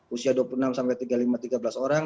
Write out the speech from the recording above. usia dua puluh enam sampai tiga puluh lima tiga belas orang